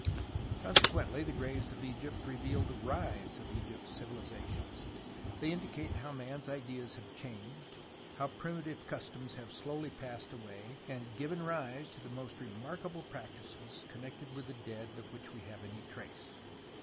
Consequently the graves of Egypt reveal the rise of Egypt's civilizations ; they indicate how man's ideas have changed, how primitive customs have slowly passed away and given rise to the most remarkable practices connected with the dead of which we have any trace.